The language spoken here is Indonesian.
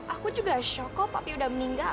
aku juga shock kok papi udah meninggal